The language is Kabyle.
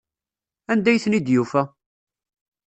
Anda ay ten-id-yufa?